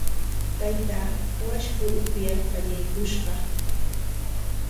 Taytaa washku upyar qallaykushqa.